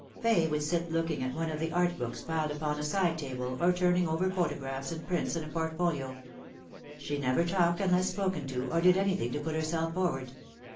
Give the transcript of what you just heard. Fay would sit looking at one of the art books piled upon a side table, or turning over photographs and prints in a portfolio. She never talked unless spoken to, or did anything to put herself forward.